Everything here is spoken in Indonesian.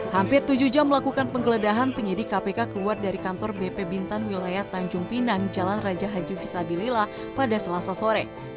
hampir tujuh jam melakukan penggeledahan penyidik kpk keluar dari kantor bp bintan wilayah tanjung pinang jalan raja haji visabilila pada selasa sore